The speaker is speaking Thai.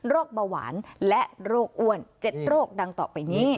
เบาหวานและโรคอ้วน๗โรคดังต่อไปนี้